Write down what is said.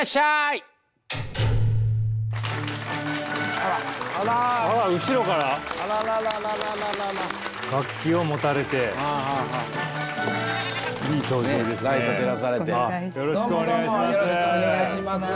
よろしくお願いします。